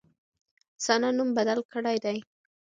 ثنا نوم بدل کړی دی.